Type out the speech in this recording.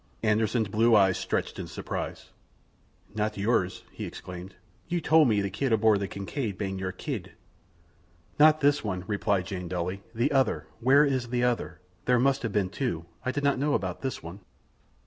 Anderssen's blue eyes stretched in surprise. "Not yours!" he exclaimed. "You tole me the kid aboard the Kincaid ban your kid." "Not this one," replied Jane dully. "The other. Where is the other? There must have been two. I did not know about this one."